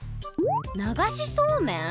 ながしそうめん？